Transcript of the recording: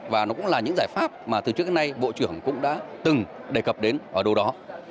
và nó cũng là những giải pháp mà từ trước đến nay bộ trưởng cũng đã từng đề cập đến ở đâu đó